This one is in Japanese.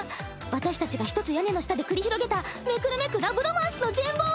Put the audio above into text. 私たちが一つ屋根の下で繰り広げた目くるめくラブロマンスの全貌を。